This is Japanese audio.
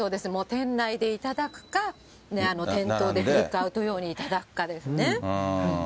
店内で頂くか、店頭でテイクアウト用に頂くかですね。